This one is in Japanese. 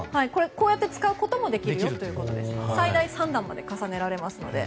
こうやって使うものということで最大３段まで重ねられますので。